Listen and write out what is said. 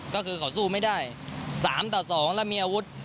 ก็คือเขาสู้ไม่ได้๓ต่อ๒แล้วมีอาวุธ